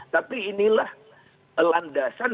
tapi inilah landasan